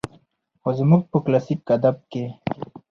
خو زموږ په کلاسيک ادب کې